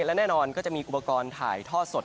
และแน่นอนก็จะมีอุปกรณ์ถ่ายทอดสด